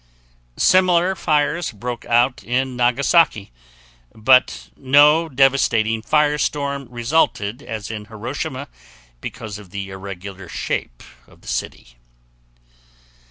Similar fires broke out in Nagasaki, but no devastating fire storm resulted as in Hiroshima because of the irregular shape of the city.